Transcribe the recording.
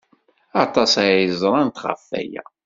Aṭas ay ẓrant ɣef waya.